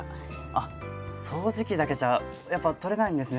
あっ掃除機だけじゃやっぱ取れないんですね